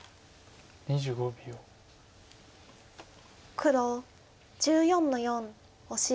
黒１４の四オシ。